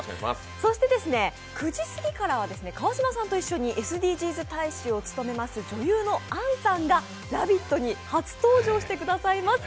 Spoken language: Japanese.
そして９時過ぎからは川島さんと一緒にＳＤＧｓ大使を務めます、女優の杏さんが「ラヴィット！」に初登場してくださいます。